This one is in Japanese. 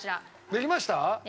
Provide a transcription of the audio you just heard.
できました？